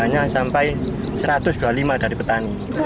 hanya sampai satu ratus dua puluh lima dari petani